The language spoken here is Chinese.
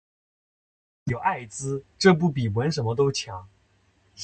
不如纹个“有艾滋”这不比纹什么都强